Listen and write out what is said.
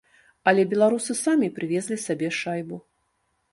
Але беларусы самі прывезлі сабе шайбу.